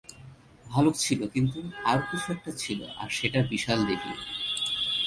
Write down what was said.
ভালুক ছিল, কিন্তু আরো কিছু একটা ছিল, আর সেটা বিশালদেহী।